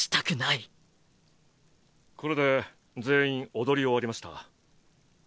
これで全員踊り終わりました。